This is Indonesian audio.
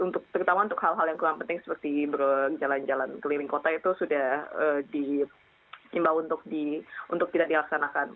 terutama untuk hal hal yang kurang penting seperti berjalan jalan keliling kota itu sudah dihimbau untuk tidak dilaksanakan